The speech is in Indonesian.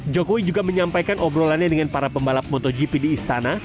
jokowi juga menyampaikan obrolannya dengan para pembalap motogp di istana